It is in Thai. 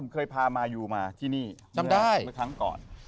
เคยพามายูมาที่นี่เมื่อครั้งก่อน